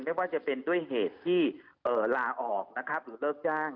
ไม่ว่าจะเป็นด้วยเหตุที่ลาออกนะครับหรือเลิกจ้าง